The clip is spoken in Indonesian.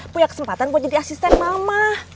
punya kesempatan buat jadi asisten mama